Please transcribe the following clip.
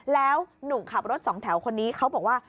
แล้วหนุ่มขับรถสองแถวคนนี้เขาบอกว่า